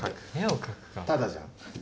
タダじゃん。